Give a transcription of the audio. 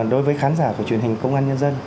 đối với khán giả của truyền hình công an nhân dân